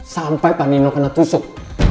sampai panino kena tusuk